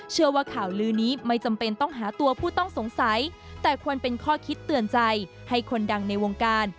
เชื่อว่าข่าวลือนี้ไม่จำเป็นต้องหาตัวผู้ต้องสงสัยแต่ควรเป็นข้อคิดเตือนใจให้คนดังในวงการ